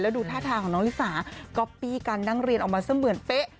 ดูท่าทางของน้องลิสาก๊อปปี้การนั่งเรียนออกมาเสมือนเป๊ะ